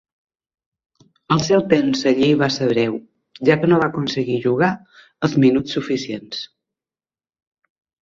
El seu temps allí va ser breu, ja que no va aconseguir jugar els minuts suficients.